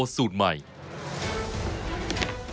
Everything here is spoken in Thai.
สวัสดีค่ะคุณผู้ชมต้อนรับเข้าสู่ชุวิตตีแสงหน้า